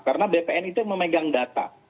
karena bpn itu yang memegang data